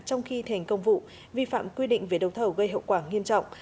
trong khi thành công vụ vi phạm quy định về đấu thầu gây hậu quả nghiêm trọng